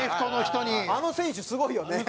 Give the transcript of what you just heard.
あの選手すごいよね。